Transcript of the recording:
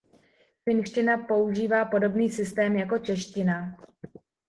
Finština používá podobný systém jako čeština.